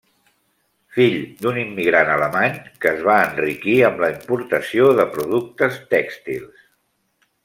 Fill d'un immigrant alemany que es va enriquir amb la importació de productes tèxtils.